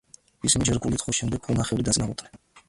ისინი ჯერ ქულით, ხოლო შემდეგ ქულანახევრით დაწინაურდნენ.